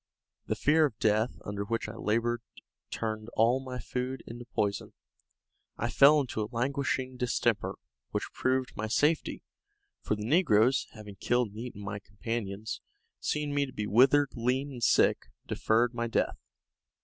The fear of death under which I labored turned all my food into poison. I fell into a languishing distemper, which proved my safety; for the negroes, having killed and eaten my companions, seeing me to be withered, lean and sick, deferred my death.